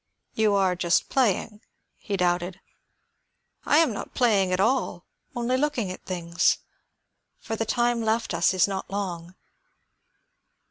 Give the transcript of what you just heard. "You are just playing?" he doubted. "I am not playing at all; only looking at things. For the time left us is not long.